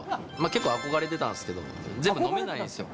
結構、憧れてたんですけど、全部飲めないんですよ。